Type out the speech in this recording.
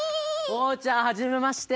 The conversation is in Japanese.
おうちゃんはじめまして！